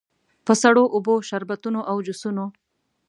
په سړو اوبو، شربتونو او جوسونو.